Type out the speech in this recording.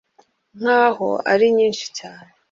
nk aho ari nyinshi cyane